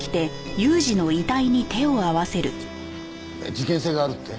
事件性があるって？